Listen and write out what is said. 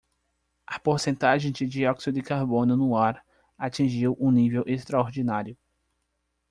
A porcentagem de dióxido de carbono no ar atingiu um nível extraordinário.